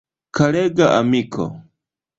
Karega amiko!